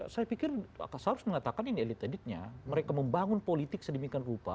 saya pikir saya harus mengatakan ini elite editnya mereka membangun politik sedemikian rupa